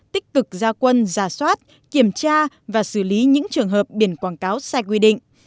tích cực gia quân giả soát kiểm tra và xử lý những trường hợp biển quảng cáo sai quy định